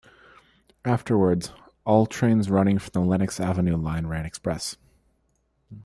Afterwards, all trains running from the Lenox Avenue Line ran express.